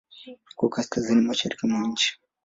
Iko kaskazini-mashariki mwa nchi.